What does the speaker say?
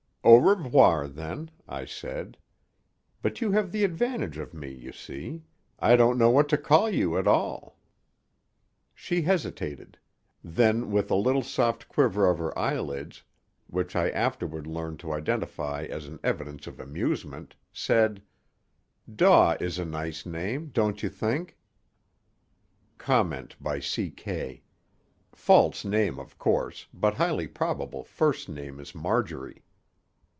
_) "Au revoir, then," I said; "but you have the advantage of me, you see. I don't know what to call you at all." She hesitated; then, with a little soft quiver of her eyelids, which I afterward learned to identify as an evidence of amusement, said, "Daw is a nice name, don't you think?" (Comment by C. K.: _False name, of course; but highly probable first name is Marjorie.